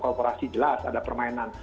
kalau kolporasi jelas ada permainan